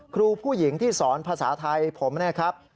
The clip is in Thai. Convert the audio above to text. ครูผู้หญิงที่สอนภาษาไทยผมนะครับ